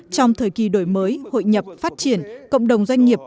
trong thời kỳ đổi mới hội nhập phát triển cộng đồng doanh nghiệp